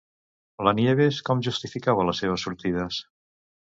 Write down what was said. La Nieves, com justificava les seves sortides?